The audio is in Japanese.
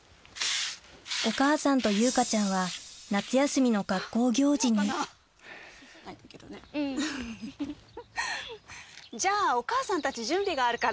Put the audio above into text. お母さんと優香ちゃんは夏休みのじゃあお母さんたち準備があるから。